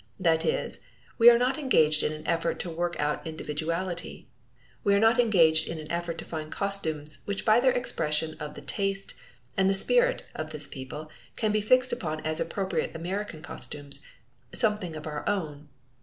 That is, we are not engaged in an effort to work out individuality. We are not engaged in an effort to find costumes which by their expression of the taste and the spirit of this people can be fixed upon as appropriate American costumes, something of our own.